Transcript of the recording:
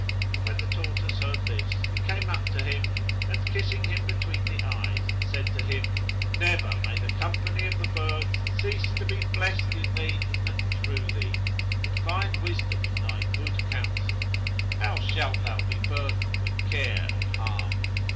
When the tortoise heard this, he came up to him and, kissing him between the eyes, said to him, "Never may the company of the birds cease to be blest in thee and through thee, and find wisdom in thy good counsel! How shalt thou be burdened with care and harm?"